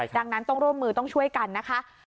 ดังนั้นต้องร่วมมือต้องช่วยกันนะคะ